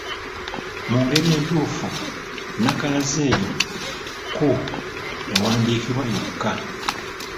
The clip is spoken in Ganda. Mu ngeri entuufu, nnakalazi eyo ‘ku’ ewandiikibwa yokka.